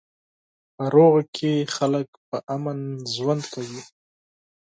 په سوله کې خلک په امن ژوند کوي.